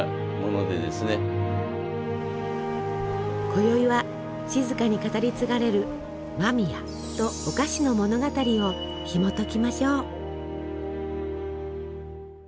こよいは静かに語り継がれる間宮とお菓子の物語をひもときましょう。